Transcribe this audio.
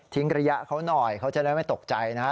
ระยะเขาหน่อยเขาจะได้ไม่ตกใจนะฮะ